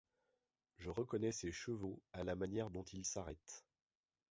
je reconnais ses chevaux à la manière dont ils arrêtent.